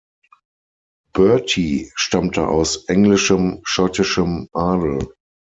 Bertie stammte aus englischem-schottischem Adel.